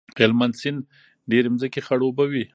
هلمند سیند ډېرې ځمکې خړوبوي.